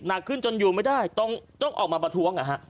หนักขึ้นจนอยู่ไม่ได้ต้องออกมาประท้วง